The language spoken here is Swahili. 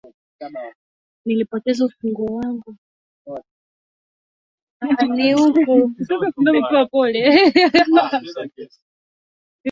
Nilipoteza ufunguo wangu.